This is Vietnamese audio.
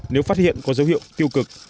nếu phát hiện có dấu hiệu tiêu cực